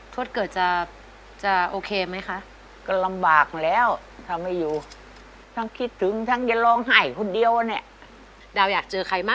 พี่เจอกันมานานเท่าไหร่แล้วคะ